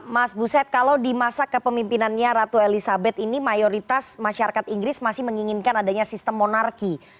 mas buset kalau di masa kepemimpinannya ratu elizabeth ini mayoritas masyarakat inggris masih menginginkan adanya sistem monarki